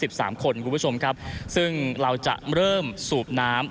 ผู้สุนหายทั้ง๑๓คนคุณผู้ชมครับซึ่งเราจะเริ่มสูบน้ำ